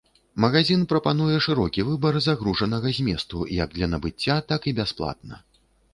Магазін прапануе шырокі выбар загружанага зместу як для набыцця, так і бясплатна.